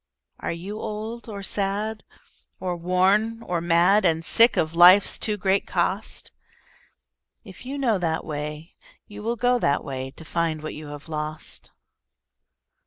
Are you old or sad or worn or mad, And sick of life's too great cost? If you know that way, you will go that way, To find what you have lost.